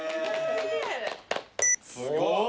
すごいね。